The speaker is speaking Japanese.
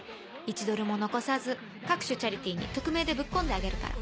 １ドルも残さず各種チャリティーに匿名でぶっ込んであげるから。